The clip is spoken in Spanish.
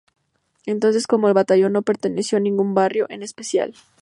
Entonces como el batallón no perteneció a ningún barrio en especial.